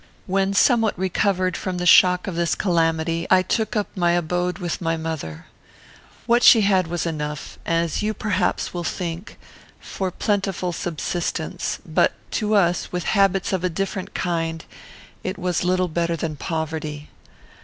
"When somewhat recovered from the shock of this calamity, I took up my abode with my mother. What she had was enough, as you perhaps will think, for plentiful subsistence; but to us, with habits of a different kind, it was little better than poverty.